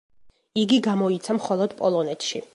იგი გამოიცა მხოლოდ პოლონეთში.